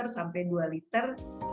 sampai dua liter